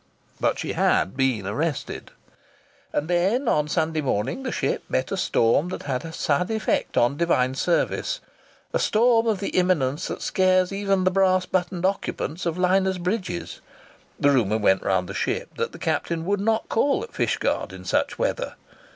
But she had been arrested. And then early on Sunday morning the ship met a storm that had a sad influence on divine service; a storm of the eminence that scares even the brass buttoned occupants of liners' bridges. The rumour went round the ship that the captain would not call at Fishguard in such weather.